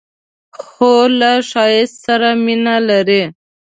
خور له ښایست سره مینه لري.